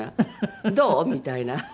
どう？みたいな。